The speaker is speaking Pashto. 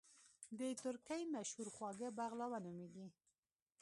د ترکی مشهور خواږه بغلاوه نوميږي